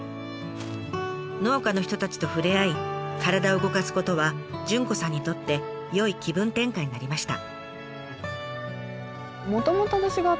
農家の人たちと触れ合い体を動かすことは潤子さんにとって良い気分転換になりました。